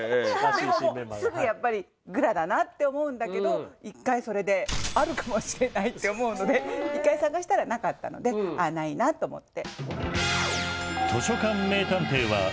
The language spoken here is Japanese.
でももうすぐやっぱり「ぐら」だなって思うんだけど１回それであるかもしれないって思うので１回探したらなかったので「あっないな」と思って。